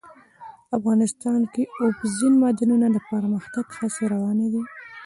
افغانستان کې د اوبزین معدنونه د پرمختګ هڅې روانې دي.